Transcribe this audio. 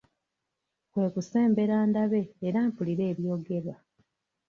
Kwe kusembera ndabe era mpulire ebyogerwa.